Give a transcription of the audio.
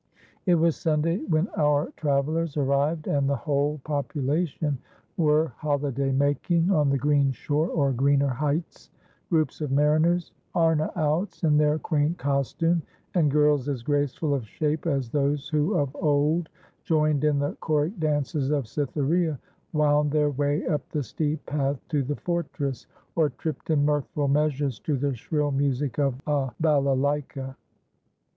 It was Sunday when our travellers arrived, and the whole population were holiday making on the green shore or greener heights. Groups of mariners, Arnaouts in their quaint costume, and girls as graceful of shape as those who of old joined in the choric dances of Cytherea, wound their way up the steep path to the fortress, or tripped in mirthful measures to the shrill music of a balalaika.